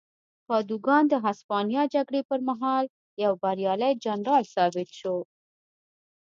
کادوګان د هسپانیا جګړې پر مهال یو بریالی جنرال ثابت شو.